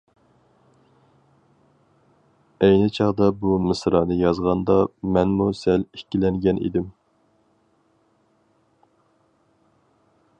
ئەينى چاغدا بۇ مىسرانى يازغاندا، مەنمۇ سەل ئىككىلەنگەن ئىدىم.